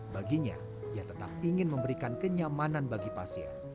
baginya ia tetap ingin memberikan kenyamanan bagi pasien